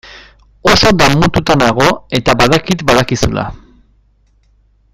Oso damututa nago eta badakit badakizula.